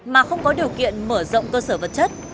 mà không có điều kiện mở rộng cơ sở vật chất